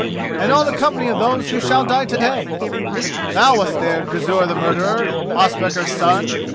and all the company of those who shall die to day. Thou wast there, Gizur the murderer, Ospakar's son!